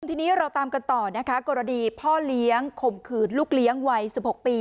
ทีนี้เราตามกันต่อนะคะกรณีพ่อเลี้ยงข่มขืนลูกเลี้ยงวัย๑๖ปี